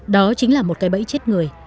đó chính là một cái bẫy chết người